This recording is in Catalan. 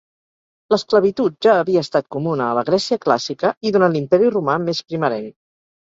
L'esclavitud ja havia estat comuna a la Grècia Clàssica i durant l'Imperi Romà més primerenc.